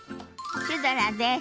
シュドラです。